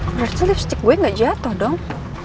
berarti lipstick gue gak jatoh dong